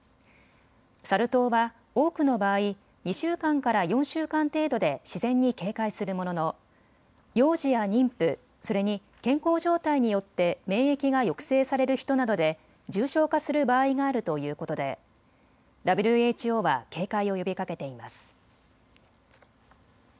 サル痘は多くの場合、２週間から４週間程度で自然に軽快するものの幼児や妊婦、それに健康状態によって免疫が抑制される人などで重症化する場合があるということでＷＨＯは警戒を呼びかけています。